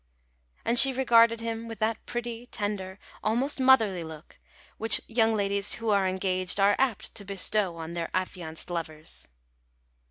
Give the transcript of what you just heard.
And she regarded him with that pretty, tender, almost motherly look, which young ladies who are engaged are apt to bestow on their affianced lovers.